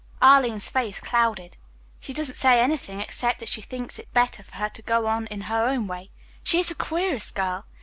Arline's face clouded. "She doesn't say anything except that she thinks it better for her to go on in her own way. She is the queerest girl.